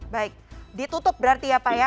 baik ditutup berarti ya pak ya